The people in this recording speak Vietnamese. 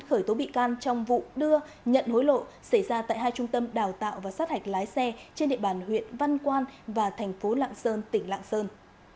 khởi tố bị can trong vụ đưa nhận hối lộ xảy ra tại hai trung tâm đào tạo và sát hạch lái xe trên địa bàn huyện văn quan và thành phố lạng sơn tỉnh lạng sơn